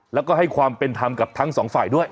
แล้วก็ให้ความเป็นธรรมกับทั้งสองฝ่ายด้วย